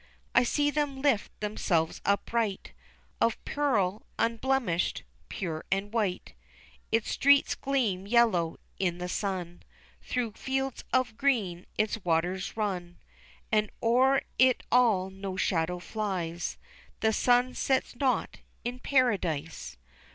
I see them lift themselves upright Of pearl, unblemished, pure and white Its streets gleam yellow in the sun, Through fields of green its waters run, And o'er it all no shadow flies, The sun sets not in Paradise.